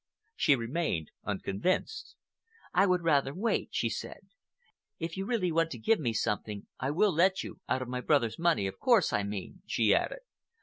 She remained unconvinced. "I would rather wait," she said. "If you really want to give me something, I will let you—out of my brother's money, of course, I mean," she added.